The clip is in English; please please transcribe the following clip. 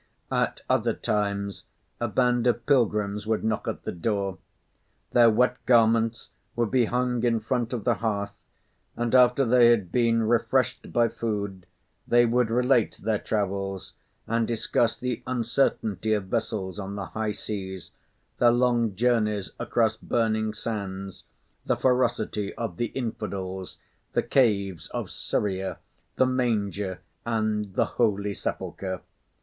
At other times, a band of pilgrims would knock at the door. Their wet garments would be hung in front of the hearth and after they had been refreshed by food they would relate their travels, and discuss the uncertainty of vessels on the high seas, their long journeys across burning sands, the ferocity of the infidels, the caves of Syria, the Manger and the Holy Sepulchre.